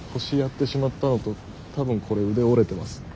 腰やってしまったのと多分これ腕折れてます。